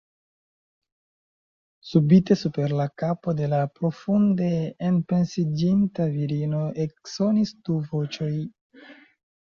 Subite super la kapo de la profunde enpensiĝinta virino eksonis du voĉoj.